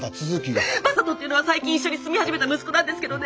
正門っていうのは最近一緒に住み始めた息子なんですけどね